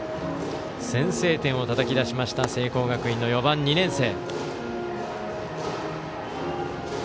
先制点をたたき出しました聖光学院の４番、２年生。